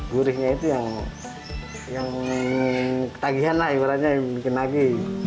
gurihnya itu yang ketagihan lah ibaratnya mungkin lagi